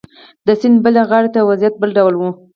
د سیند بلې غاړې ته وضعیت بل ډول و.